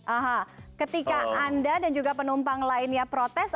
aha ketika anda dan juga penumpang lainnya protes